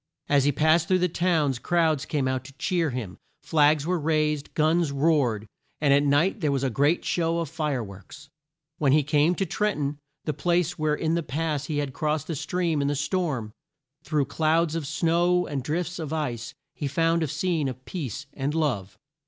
As he passed through the towns, crowds came out to cheer him, flags were raised, guns roared, and at night there was a great show of fire works. When he came to Tren ton, the place where in the past he had crossed the stream in the storm, through clouds of snow and drifts of ice, he found a scene of peace and love.